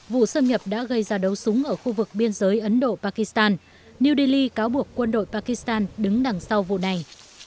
vụ xâm nhập đã gây ra đấu súng ở khu vực biên giới ấn độ pakistan new delhi cáo buộc quân đội pakistan đứng đằng sau vụ này